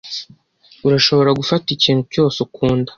Urashobora gufata ikintu cyose ukunda.